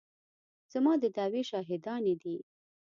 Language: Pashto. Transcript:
زما د دعوې شاهدانې دي.